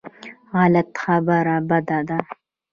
غلط خبره بده ده.